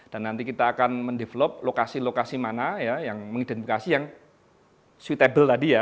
dan nanti kita akan mendevelop lokasi lokasi mana yang mengidentifikasi yang suitable tadi ya